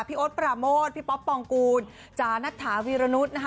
โอ๊ตปราโมทพี่ป๊อปปองกูลจ๋านัทถาวีรนุษย์นะคะ